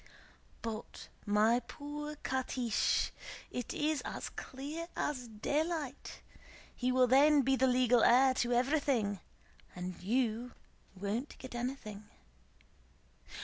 "But, my poor Catiche, it is as clear as daylight! He will then be the legal heir to everything and you won't get anything.